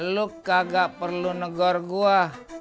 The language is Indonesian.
lu kagak perlu negor gua